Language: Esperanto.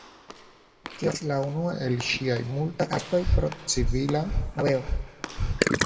Tio estis la unua el ŝiaj multaj arestoj pro civila malobeo.